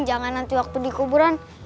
jangan nanti waktu dikuburan